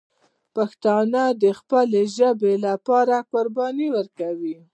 پښتانه دې د خپلې ژبې لپاره قرباني ورکړي.